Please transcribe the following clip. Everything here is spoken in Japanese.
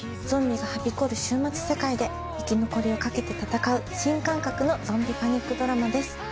ゾンビがはびこる終末世界で、生き残りをかけて戦う、新感覚のゾンビパニックドラマです。